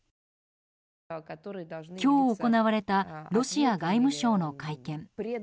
今日、行われたロシア外務省の会見。